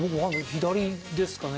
左ですかね。